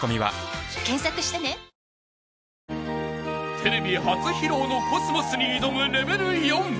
［テレビ初披露の『秋桜』に挑むレベル４。